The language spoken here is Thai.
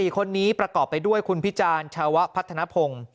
๔คนนี้ประกอบไปด้วยคุณพิจารณ์ชาวะพัฒนภง